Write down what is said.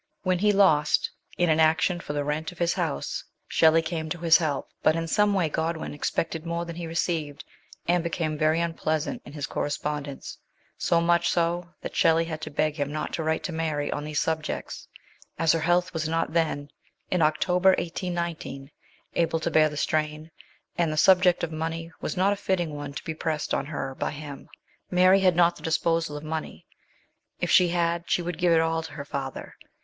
When he lost, in an action for the rent of his house, Shelley came to his help, but in some way Godwin expected more than he received, and became very unpleasant in his correspondence, so much so that Shelley had to beg him not to write to Mary on these subjects, as her health was not then, in October 1819, able to bear the strain, and the subject of money was not a fitting one to be pressed on her by him. Mary had not the disposal of money; if she had she would give it all to her father.